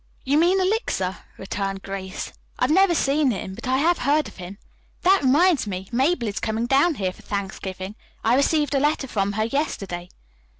"You mean Elixir," returned Grace. "I have never seen him, but I have heard of him. That reminds me, Mabel is coming down here for Thanksgiving. I received a letter from her yesterday."